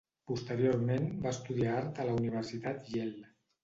Posteriorment va estudiar Art a la Universitat Yale.